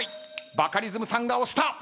バカリズムさんが押した！